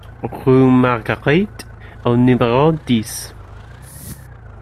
Rue Marguerite au numéro dix